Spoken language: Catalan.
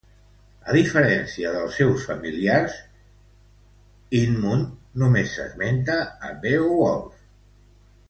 A diferència dels seus familiars, Eanmund només s'esmenta a Beowulf.